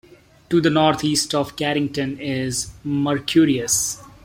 To the northeast of Carrington is Mercurius.